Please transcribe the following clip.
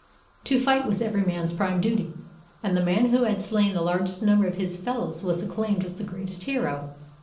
To fight was every man's prime duty, and the man who had slain the largest number of his fellows was acclaimed as the greatest hero.